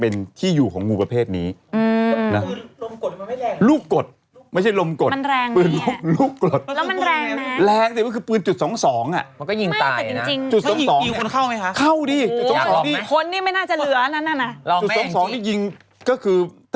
เป็นงูเจ้าพ่อเจ้าแม่